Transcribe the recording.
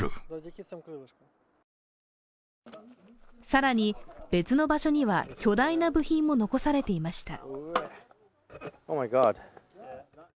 更に、別の場所には巨大な部品も残されていました。